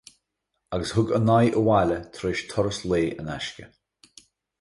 Agus thug a n-aghaidh abhaile tar éis turas lae in aisce.